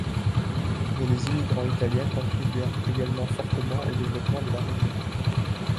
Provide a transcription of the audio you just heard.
Mais les immigrants italiens contribuèrent également fortement au développement de la région.